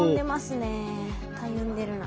たゆんでるな。